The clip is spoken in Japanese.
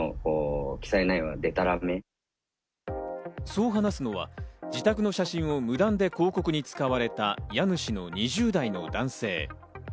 そう話すのは自宅の写真を無断で広告に使われた家主の２０代の男性。